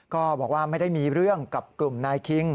ก็บอกว่าไม่ได้มีเรื่องกับกลุ่มนายคิง